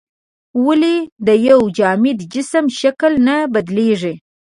ولې د یو جامد جسم شکل نه بدلیږي؟